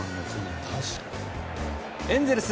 エンゼルス